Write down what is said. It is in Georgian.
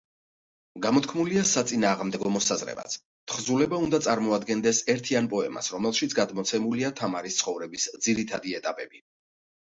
გამოთქმულია საწინააღმდეგო მოსაზრებაც: თხზულება უნდა წარმოადგენდეს ერთიან პოემას, რომელშიც გადმოცემულია თამარის ცხოვრების ძირითადი ეტაპები.